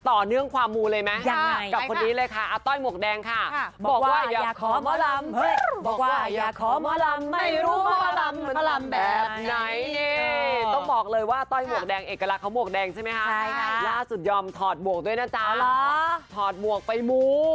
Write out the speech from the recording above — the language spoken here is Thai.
ต่อเนื่องความมูเลยไหม